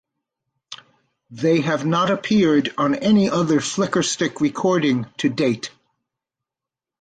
They have not appeared on any other Flickerstick recording to date.